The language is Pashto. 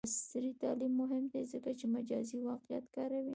عصري تعلیم مهم دی ځکه چې مجازی واقعیت کاروي.